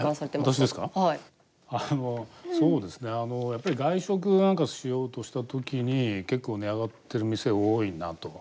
やっぱり外食なんかしようとした時に結構値上がってる店多いなと。